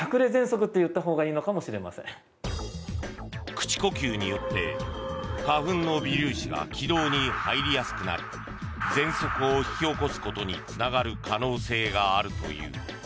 口呼吸によって花粉の微粒子が気道に入りやすくなり喘息を引き起こすことにつながる可能性があるという。